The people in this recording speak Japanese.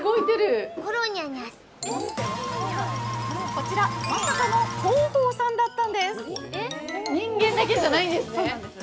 こちら、まさかの広報さんだったんです。